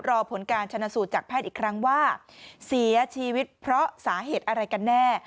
รอผลการชนะสูตรจากแพทย์อีกครั้งว่าเสียชีวิตเพราะสาเหตุอะไรกันแน่